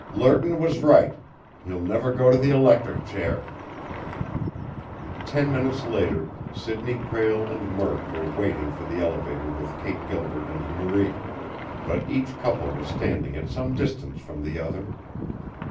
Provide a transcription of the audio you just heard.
Lerton was right he'll never go to the electric chair!" Ten minutes later, Sidney Prale and Murk were waiting for the elevator with Kate Gilbert and Marie, but each couple was standing at some distance from the other.